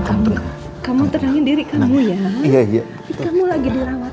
kamu lagi dirawat kok sekarang